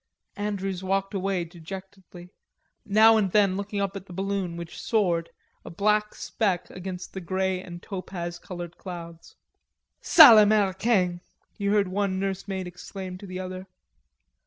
Andrews walked away dejectedly, now and then looking up at the balloon, which soared, a black speck against the grey and topaz colored clouds. "Sale Americain!" he heard one nursemaid exclaim to the other.